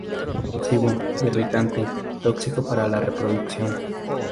Nocivo, irritante, tóxico para la reproducción.